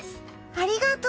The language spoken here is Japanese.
ありがとう！